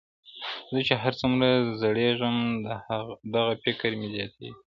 زه چی هرڅومره زړېږم دغه فکر مي زیاتیږي.